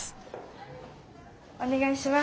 お願いします。